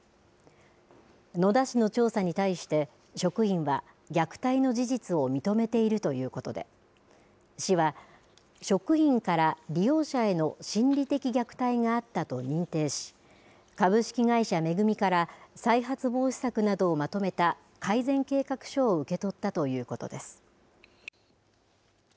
野田市の調査に対して職員は虐待の事実を認めているということで市は職員から利用者への心理的虐待があったと認定し株式会社、恵から再発防止策などをまとめた改善計画書を受け取ったということです。